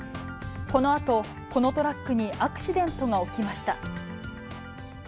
このあと、このトラックにアクシデントが起きました。